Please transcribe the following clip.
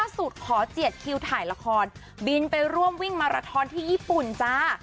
ขอเจียดคิวถ่ายละครบินไปร่วมวิ่งมาราทอนที่ญี่ปุ่นจ้า